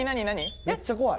めっちゃ怖い。